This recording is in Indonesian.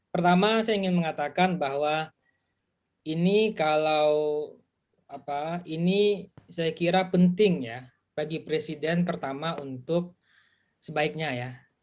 pertama saya ingin mengatakan bahwa ini kalau ini saya kira penting ya bagi presiden pertama untuk sebaiknya ya